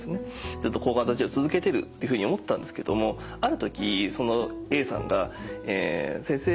ずっと抗がん剤治療を続けてるっていうふうに思ってたんですけどもある時そのＡさんが「先生。